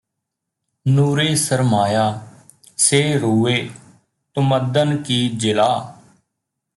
ਨੂਰੇ ਸਰਮਾਇਆ ਸੇ ਰੂਏ ਤੁਮੱਦਨ ਕੀ ਜਿਲਾਅ